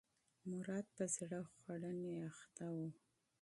مراد په زړه خوړنې اخته و.